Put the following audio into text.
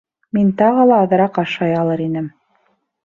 Мин тағы ла аҙыраҡ ашай алыр инем